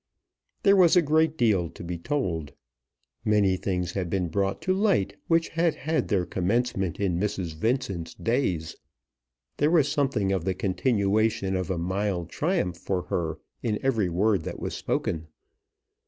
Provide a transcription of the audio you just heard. There was a great deal to be told. Many things had been brought to light which had had their commencement in Mrs. Vincent's days. There was something of the continuation of a mild triumph for her in every word that was spoken.